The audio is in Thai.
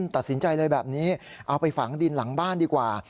ตัดสินใจเลยแบบนี้เอาไปฝังดินหลังบ้านดีกว่า